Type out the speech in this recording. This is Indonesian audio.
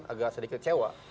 agak sedikit cewa